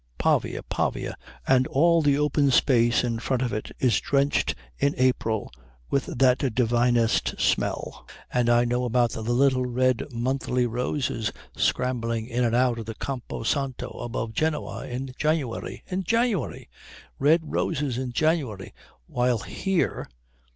"Pavia, Pavia and all the open space in front of it is drenched in April with that divinest smell. And I know about the little red monthly roses scrambling in and out of the Campo Santo above Genoa in January in January! Red roses in January. While here....